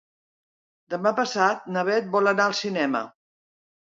Demà passat na Beth vol anar al cinema.